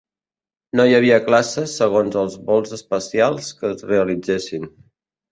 No hi havia classes segons els vols espacials que es realitzessin.